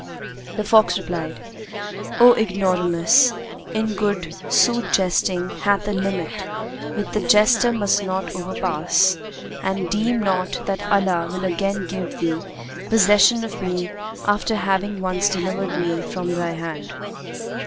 The fox replied, "O ignoramus, in good sooth jesting hath a limit which the jester must not overpass; and deem not that Allah will again give thee possession of me after having once delivered me from thy hand."